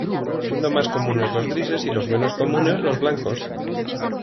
Siendo más comunes los grises y los menos comunes los blancos.